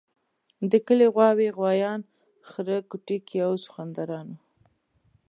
د کلي غواوې، غوایان، خره کوټکي او سخوندران وو.